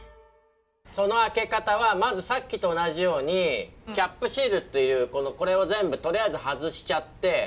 その開け方はまずさっきと同じようにキャップシールというこれを全部とりあえず外しちゃって。